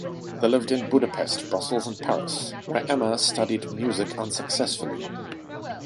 They lived in Budapest, Brussels, and Paris, where Emma studied music unsuccessfully.